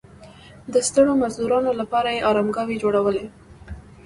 د ستړو مزدورانو لپاره یې ارامګاوې جوړولې.